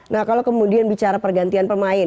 nah kalau kemudian bicara pergantian pemain